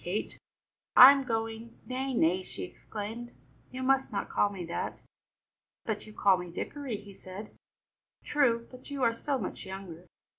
Kate, I am going " "Nay, nay," she exclaimed, "you must not call me that!" "But you call me Dickory," he said. "True, but you are so much younger."